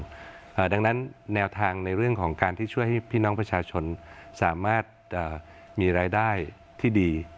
เพราะฉะนั้นแนวทางในเรื่องของการที่ช่วยให้พี่น้องประชาชนสามารถจะมีรายได้ที่ดี